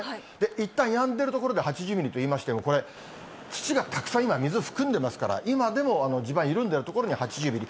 いったんやんでる所で８０ミリといいましても、これ、土がたくさん、今、水含んでますから、今でも地盤緩んでいる所に８０ミリ。